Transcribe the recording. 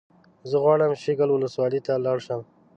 زه غواړم شیګل ولسوالۍ ته لاړ شم